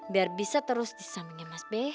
biar bisa terus di sampingnya mas b